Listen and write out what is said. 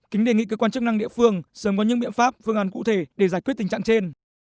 kính đề nghị cơ quan chức năng địa phương sớm có những biện pháp phương án cụ thể để giải quyết tình trạng trên